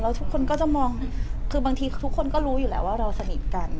ทุกคนก็จะมองคือบางทีทุกคนก็รู้อยู่แล้วว่าเราสนิทกัน